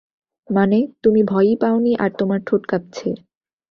মানে, তুমি ভয়ই পাওনি আর তোমার ঠোট কাপছে।